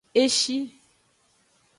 E shi.